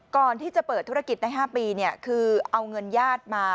ก่อนที่จะเปิดธุรกิจได้๕ปีคือเอาเงินญาติมา